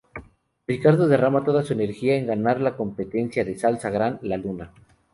Rico derrama toda su energía en ganar la competencia de Salsa Gran La Luna.